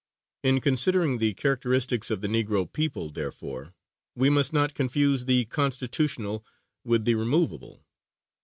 In considering the characteristics of the Negro people, therefore, we must not confuse the constitutional with the removable.